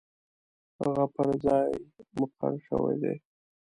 هغه پر ځای مقرر شوی دی.